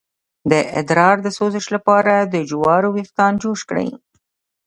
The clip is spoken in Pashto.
د ادرار د سوزش لپاره د جوارو ویښتان جوش کړئ